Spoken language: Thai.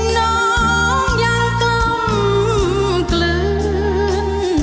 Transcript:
น้องยังกล้ำเกลื้น